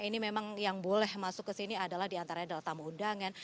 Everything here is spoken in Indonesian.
ini memang yang boleh masuk ke sini adalah diantaranya adalah tamu undangan